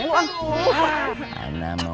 mau kemana lu ang